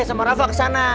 sama rafa kesana